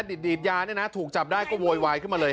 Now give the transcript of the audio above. ดีดยาเนี่ยนะถูกจับได้ก็โวยวายขึ้นมาเลย